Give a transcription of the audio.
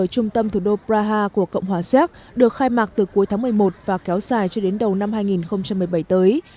ở trung tâm thủ đô praha của cộng hòa xéc được khai mạc từ cuối tháng một mươi một và kéo dài cho đến đầu năm hai nghìn một mươi bảy tới